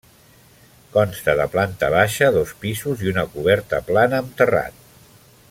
Consta de planta baixa, dos pisos i una coberta plana amb terrat.